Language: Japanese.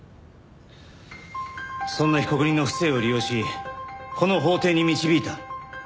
そんな被告人の父性を利用しこの法廷に導いた。